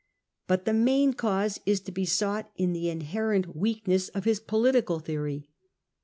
But the main cause is to be sought in the inherent weakness of his political theory.